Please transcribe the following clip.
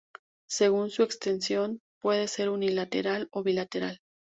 Según su extensión puede ser unilateral o bilateral.